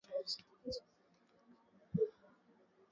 Iran yaamua kusitisha mazungumzo yake ya siri na Saudi Arabia